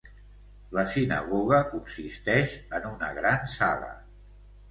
La sinagoga consisteix en una gran sala.